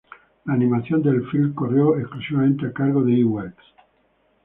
La animación del filme corrió exclusivamente a cargo de Iwerks.